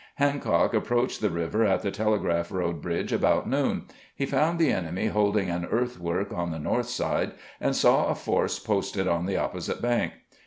Hancock approached the river at the Telegraph road bridge about noon. He found the enemy holding an earthwork on the north side, and saw a force posted on the opposite bank.